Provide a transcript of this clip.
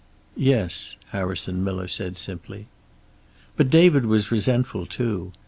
"Yes," Harrison Miller said simply. But David was resentful, too.